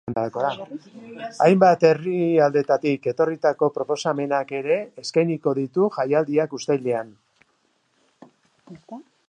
Hainbat herrialdetatik etorritako proposamenak ere eskainiko ditu jaialdiak uztailean.